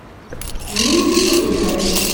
Nun zum Inhalt.